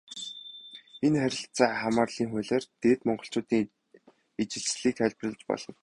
Энэ харилцаа хамаарлын хуулиар Дээд Монголчуудын ижилслийг тайлбарлаж болно.